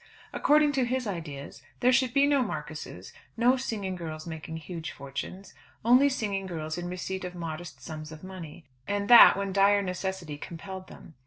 According to his ideas, there should be no Marquises, no singing girls making huge fortunes only singing girls in receipt of modest sums of money; and that when dire necessity compelled them.